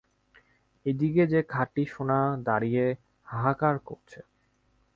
এ দিকে যে খাঁটি সোনা দাঁড়িয়ে হাহাকার করছে।